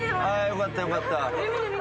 よかったよかった。